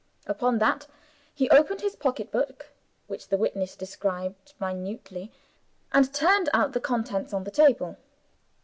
Upon that he opened his pocketbook (which the witness described minutely) and turned out the contents on the table.